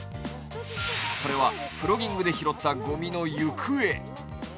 それは、プロギングで拾ったごみの行方。